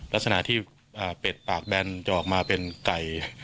ลักษณะที่เป็ดปากแบนจะออกมาเป็นไก่